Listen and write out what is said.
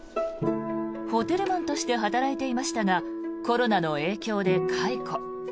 ホテルマンとして働いていましたがコロナの影響で解雇。